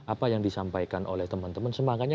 apa yang disampaikan oleh teman teman semangatnya